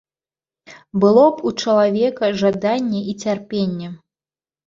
Было б у чалавека жаданне і цярпенне.